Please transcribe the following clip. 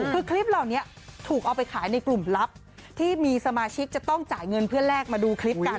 คือคลิปเหล่านี้ถูกเอาไปขายในกลุ่มลับที่มีสมาชิกจะต้องจ่ายเงินเพื่อแลกมาดูคลิปกัน